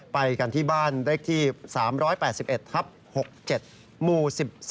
ไปกันที่บ้านเลขที่๓๘๑ทับ๖๗หมู่๑๒